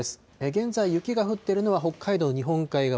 現在、雪が降っているのは北海道、日本海側。